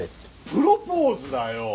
プロポーズだよ！